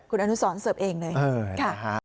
คุณอนุสรเสิร์ฟเองด้วยค่ะ